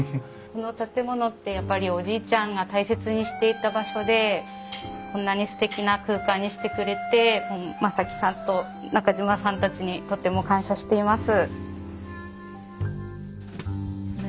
この建物ってやっぱりおじいちゃんが大切にしていた場所でこんなにすてきな空間にしてくれて真己さんと中島さんたちにとても感謝しています。